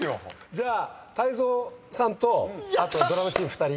じゃあ泰造さんとあとドラマチーム２人。